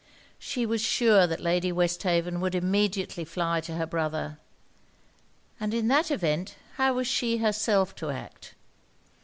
She was sure that Lady Westhaven would immediately fly to her brother. And in that event how was she herself to act?